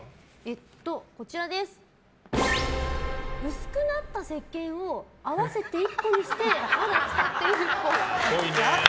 薄くなったせっけんを合わせて１個にしてまだ使っているっぽい。